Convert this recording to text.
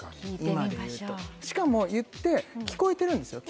今でいうとしかも言って聞こえてるんですよ